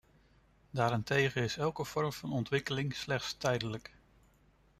Daarentegen is elke vorm van ontwikkeling slechts tijdelijk.